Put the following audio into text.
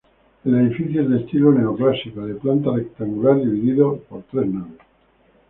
El edificio es de estilo neoclásico, de planta rectangular, dividido por tres naves.